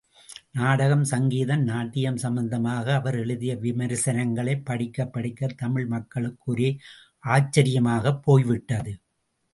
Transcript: நாடகம், சங்கீதம், நாட்டியம் சம்பந்தமாக அவர் எழுதிய விமரிசனங்களைப் படிக்கப் படிக்கத் தமிழ் மக்களுக்கு ஒரே ஆச்சரியமாகப் போய்விட்டது.